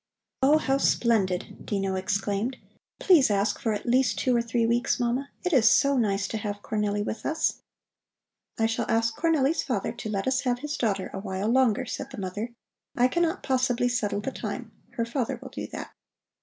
"Oh, how splendid!" Dino exclaimed. "Please ask for at least two or three weeks, Mama. It is so nice to have Cornelli with us." "I shall ask Cornelli's father to let us have his daughter a while longer," said the mother, "I cannot possibly settle the time, her father will do that."